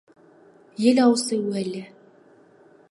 Ел аузы — уәлі.